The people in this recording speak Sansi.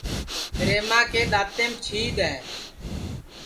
پِریما کے دؔانٚتینٚم چھِیدؔ ہے